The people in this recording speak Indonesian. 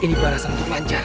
ini barasan untuk lanjar